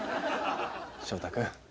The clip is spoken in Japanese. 翔太君。